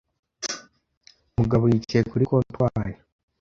Mugabo yicaye kuri comptoir